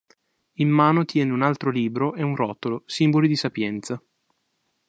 In mano tiene un altro libro e un rotolo, simboli di sapienza.